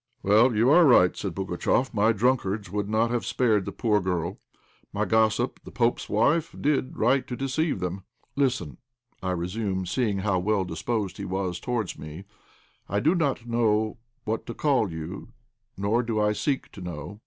"Well, you are right," said Pugatchéf. "My drunkards would not have spared the poor girl; my gossip, the pope's wife, did right to deceive them." "Listen," I resumed, seeing how well disposed he was towards me, "I do not know what to call you, nor do I seek to know.